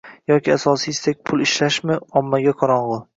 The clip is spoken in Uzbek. yoki asosiy istak pul ishlashmi — ommaga qorong‘i.